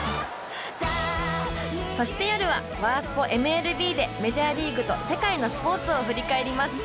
そして夜は「ワースポ×ＭＬＢ」でメジャーリーグと世界のスポーツを振り返ります！